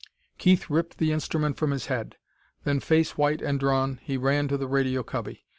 Keith ripped the instrument from his head. Then, face white and drawn, he ran to the radio cubby.